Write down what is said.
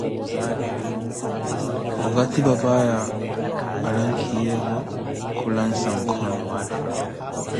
Waakathi papaya alankhiyeevo, khulansa nkhono.